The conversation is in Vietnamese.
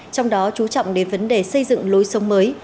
trong đó chú trọng đến vấn đề xây dựng lối sống mới